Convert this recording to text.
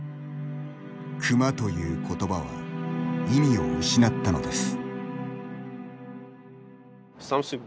熊という言葉は意味を失ったのです。